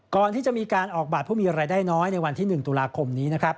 ก่อนที่จะมีการออกบัตรผู้มีรายได้น้อยในวันที่๑ตุลาคมนี้นะครับ